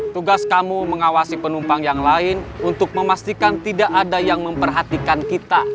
tugas kamu mengawasi penumpang yang lain untuk memastikan tidak ada yang memperhatikan kita